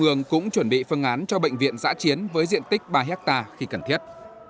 hương cũng chuẩn bị phân án cho bệnh viện giã chiến với diện tích ba hectare khi cần thiết